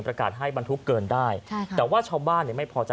ประกาศให้บรรทุกเกินได้แต่ว่าชาวบ้านไม่พอใจ